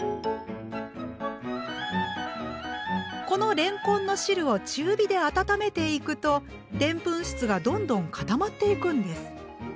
このれんこんの汁を中火で温めていくとでんぷん質がどんどん固まっていくんです。